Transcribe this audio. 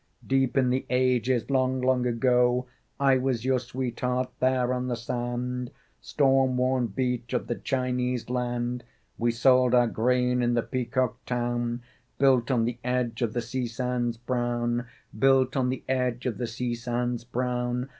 Deep in the ages, long, long ago, I was your sweetheart, there on the sand Storm worn beach of the Chinese land? We sold our grain in the peacock town Built on the edge of the sea sands brown Built on the edge of the sea sands brown....